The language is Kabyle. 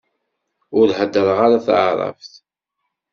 Ur heddreɣ ara taεrabt.